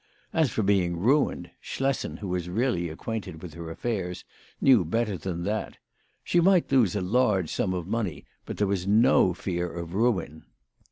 As for being ruined, Schlessen, who was really acquainted with her affairs, knew better than that. She might lose a ]arge sum of money, but there was no fear of ruin.